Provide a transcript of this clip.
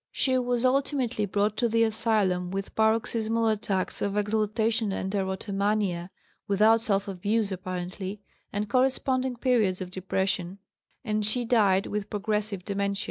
She was ultimately brought to the asylum with paroxysmal attacks of exaltation and erotomania (without self abuse apparently) and corresponding periods of depression, and she died with progressive dementia.